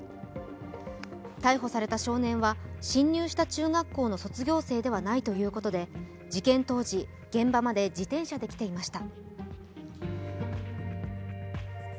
逮捕された少年は、侵入した中学校の卒業生ではないということで事件当時、現場まで自転車で来ていました。